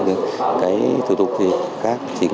tổ chức họp và quán triển